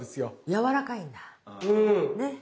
柔らかいんだ。ね。